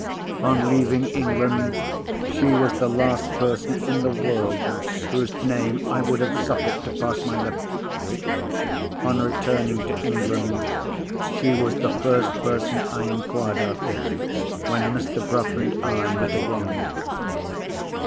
On leaving England she was the last person in the world whose name I would have suffered to pass my lips. On returning to England, she was the first person I inquired after, when Mr. Bruff and I met again.